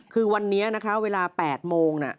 คือวันนี้เวลา๘โมง